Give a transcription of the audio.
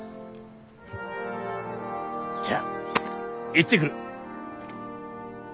じゃあ行ってくる。